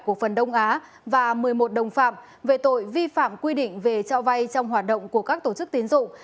cổ phần đông á và một mươi một đồng phạm về tội vi phạm quy định về cho vay trong hoạt động của các tổ chức tiến dụng